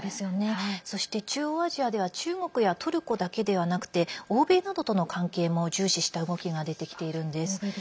そして中央アジアでは中国やトルコだけではなくて欧米などとの関係も重視した動きが出てきているんです。